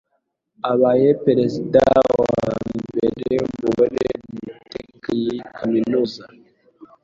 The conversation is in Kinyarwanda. abaye perezida wa mbere w’umugore mu mateka y’iyi kaminuza